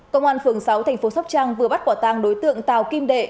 công an phường sáu tp sóc trang vừa bắt quả tàng đối tượng tào kim đệ